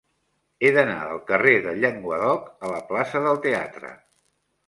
He d'anar del carrer del Llenguadoc a la plaça del Teatre.